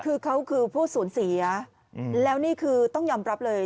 คือเขาคือผู้สูญเสียแล้วนี่คือต้องยอมรับเลย